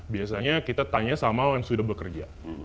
biasanya kita tanya sama yang sudah bekerja